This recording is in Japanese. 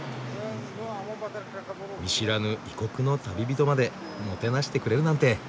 見知らぬ異国の旅人までもてなしてくれるなんて。